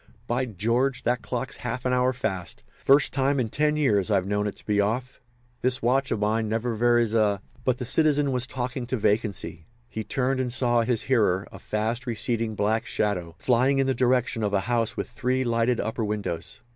"By George! that clock's half an hour fast! First time in ten years I've known it to be off. This watch of mine never varies a—" But the citizen was talking to vacancy. He turned and saw his hearer, a fast receding black shadow, flying in the direction of a house with three lighted upper windows.